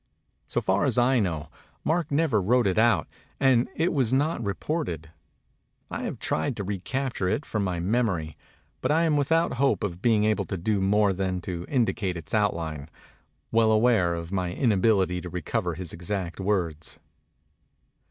So far as I know, Mark never wrote it out; and it was not reported. I have tried to recapture it from my memory; but I am without hope of being able to do more than to indicate its outline, well aware of my in ability to recover his exact words.